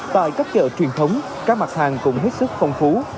tại các chợ truyền thống các mặt hàng cũng hết sức phong phú